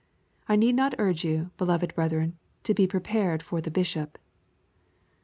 I need not urge you, beloved brethren, to be prepared for the bishop."